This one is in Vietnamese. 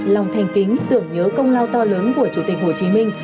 lòng thành kính tưởng nhớ công lao to lớn của chủ tịch hồ chí minh